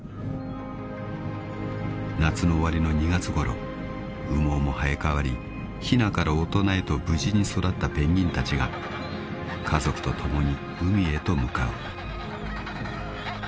［夏の終わりの２月ごろ羽毛も生え替わりひなから大人へと無事に育ったペンギンたちが家族と共に海へと向かう］